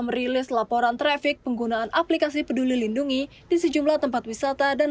merilis laporan traffic penggunaan aplikasi peduli lindungi di sejumlah tempat wisata dan